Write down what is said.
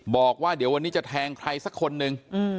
บอกว่าเดี๋ยววันนี้จะแทงใครสักคนนึง